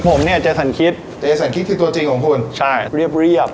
ผมเนี่ยจะสันคิดเจสันคิดคือตัวจริงของคุณใช่เรียบ